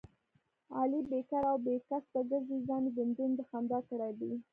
علي بیکاره او بې کسبه ګرځي، ځان یې دنجونو د خندا کړی دی.